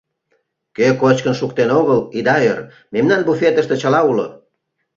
Кӧ кочкын шуктен огыл, ида ӧр — мемнан буфетыште чыла уло.